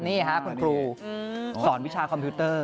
นี่ค่ะคุณครูสอนวิชาคอมพิวเตอร์